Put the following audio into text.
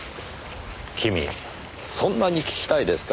君そんなに聞きたいですか？